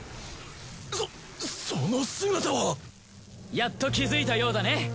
そその姿は！やっと気づいたようだね。